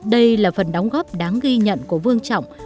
đây là phần đóng góp đáng ghi nhận của vương trọng